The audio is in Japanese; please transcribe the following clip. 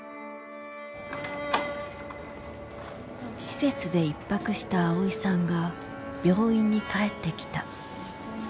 施設で１泊したあおいさんが病院に帰ってきた。